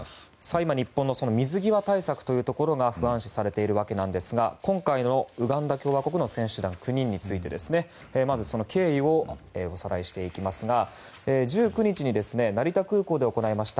今日本の水際対策というところが不安視されているわけですが今回のウガンダ共和国の選手団９人についてですねまず、その経緯をおさらいしていきますが１９日に成田空港で行いました